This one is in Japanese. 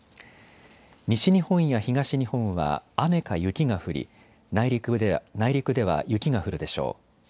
西日本や東日本は雨か雪が降り内陸では雪が降るでしょう。